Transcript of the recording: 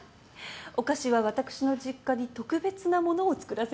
お菓子は私の実家に特別なものを作らせますので。